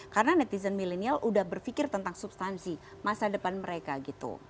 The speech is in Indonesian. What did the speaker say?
karena netizen millenial udah berpikir tentang substansi masa depan mereka gitu